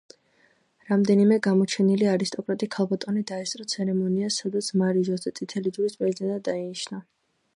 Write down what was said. რამდენიმე გამოჩენილი არისტოკრატი ქალბატონი დაესწრო ცერემონიას, სადაც მარი ჟოზე წითელი ჯვრის პრეზიდენტად დაინიშნა.